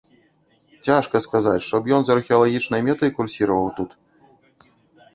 Цяжка сказаць, што б ён з археалагічнай мэтай курсіраваў тут.